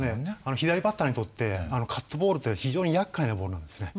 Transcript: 左バッターにとってカットボールって非常にやっかいなボールなんですね。